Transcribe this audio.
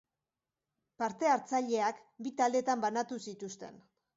Parte-hartzaileak bi taldetan banatu zituzten.